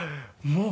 もう。